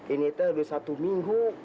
ini teh udah satu minggu